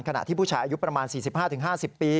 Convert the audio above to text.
ขณะที่ผู้ชายอายุประมาณ๔๕๕๐ปี